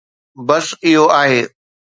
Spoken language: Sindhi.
بس اهو آهي.